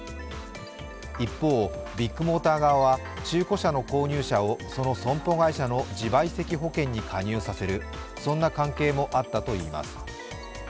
一方、ビッグモーター側は中古車の購入者をその損保会社の自賠責保険に加入させる、そんな関係もあったといいます。